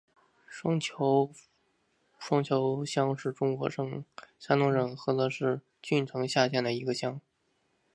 双桥乡是中国山东省菏泽市郓城县下辖的一个乡。